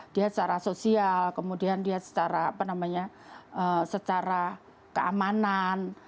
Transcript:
dia secara sosial kemudian dia secara apa namanya secara keamanan